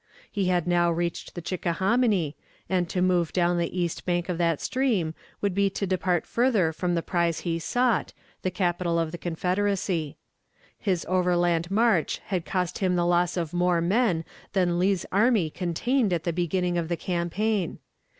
He had now reached the Chickahominy, and to move down the east bank of that stream would be to depart further from the prize he sought, the capital of the Confederacy. His overland march had cost him the loss of more men than Lee's army contained at the beginning of the campaign.